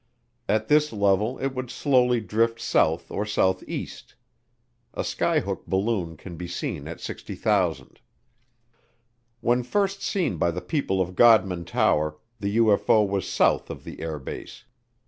At this level it would slowly drift south or southeast. A skyhook balloon can be seen at 60,000. When first seen by the people in Godman Tower, the UFO was south of the air base.